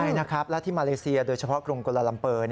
ใช่และที่มาเลเซียโดยเฉพาะกรุงกุฎลลำเปอร์